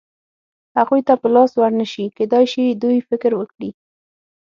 هغوی ته په لاس ور نه شي، کېدای شي دوی فکر وکړي.